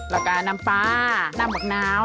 แล้วก็น้ำปลาน้ำมักน้าว